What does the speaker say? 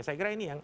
saya kira ini yang